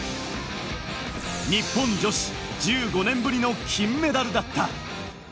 日本女子１５年ぶりの金メダルだった。